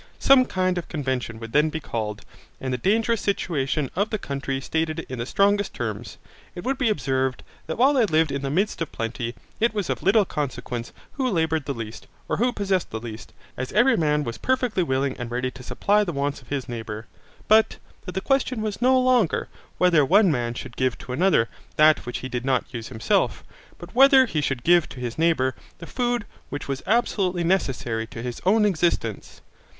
Some kind of convention would then be called, and the dangerous situation of the country stated in the strongest terms. It would be observed, that while they lived in the midst of plenty, it was of little consequence who laboured the least, or who possessed the least, as every man was perfectly willing and ready to supply the wants of his neighbour. But that the question was no longer whether one man should give to another that which he did not use himself, but whether he should give to his neighbour the food which was absolutely necessary to his own existence.